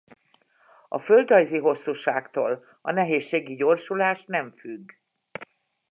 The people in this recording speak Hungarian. A földrajzi hosszúságtól a nehézségi gyorsulás nem függ.